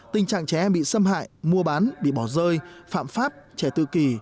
tình trạng trẻ em bị xâm hại mua bán bị bỏ rơi phạm pháp trẻ tự kỷ